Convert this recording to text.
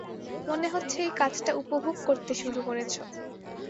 মনে হচ্ছে এই কাজটা উপভোগ করতে শুরু করেছো।